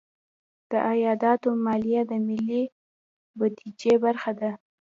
د عایداتو مالیه د ملي بودیجې برخه ده.